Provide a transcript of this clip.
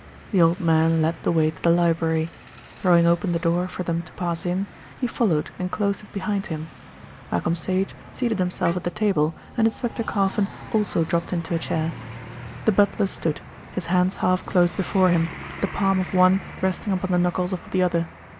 The old man led the way to the library. Throwing open the door for them to pass in, he followed and closed it behind him. Malcolm Sage seated himself at the table and Inspector Carfon also dropped into a chair. The butler stood, his hands half closed before him, the palm of one resting upon the knuckles of the other.